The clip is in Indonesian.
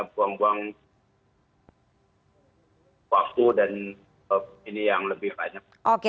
buang buang waktu dan ini yang lebih banyak